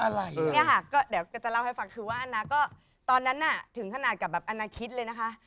เนี่ยค่ะก็เดี๋ยวก็จะเล่าให้ฟังคือว่านะก็ตอนนั้นน่ะถึงขนาดกับแบบอนาคตเลยนะคะ